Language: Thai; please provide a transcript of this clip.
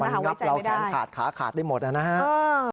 มันงับเราแขนขาดขาขาดได้หมดนะครับ